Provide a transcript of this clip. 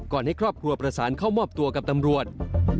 ให้ครอบครัวประสานเข้ามอบตัวกับตำรวจ